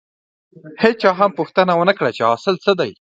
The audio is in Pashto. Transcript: هېچا هم پوښتنه ونه کړه چې حاصل څه دی.